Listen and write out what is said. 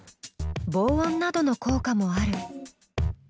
防音などの効果もある。